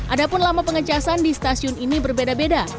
ada pun lama pengecasan di stasiun ini berbeda beda